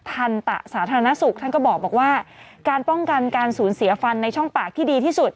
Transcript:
ทันตะสาธารณสุขท่านก็บอกว่าการป้องกันการสูญเสียฟันในช่องปากที่ดีที่สุด